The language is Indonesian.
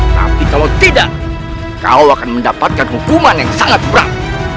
tapi kalau tidak kau akan mendapatkan hukuman yang sangat berat